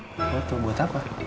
foto buat apa